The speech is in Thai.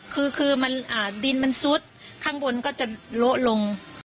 คือดินมันซุดข้างบนก็จะโละลง